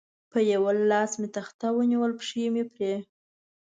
په یوه لاس مې تخته ونیول، پښې مې پرې.